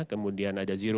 kemudian ada zero